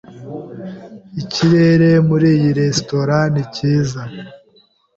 Ikirere muri iyi resitora ni cyiza.